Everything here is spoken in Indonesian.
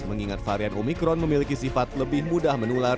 mengingat varian omikron memiliki sifat lebih mudah menular